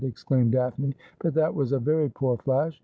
exclaimed Daphne; 'but that was a very poor flash.